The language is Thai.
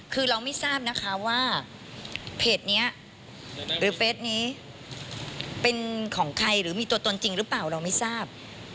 คือเราไม่ทราบนะคะว่าเพจนี้หรือเฟสนี้เป็นของใครหรือมีตัวตนจริงหรือเปล่าเราไม่ทราบ